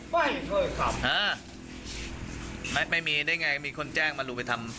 ไม่เคยครับฮะไม่ไม่มีได้ไงมีคนแจ้งมาลุงไปทำ